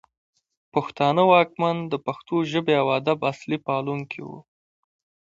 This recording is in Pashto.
پښتانه واکمن د پښتو ژبې او ادب اصلي پالونکي وو